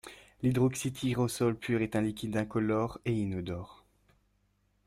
L'hydroxytyrosol pur est un liquide incolore et inodore.